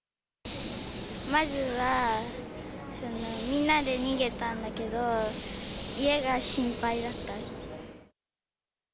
まずは、みんなで逃げたんだけど、家が心配だった。